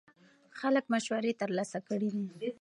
خلک مشورې ترلاسه کړې دي.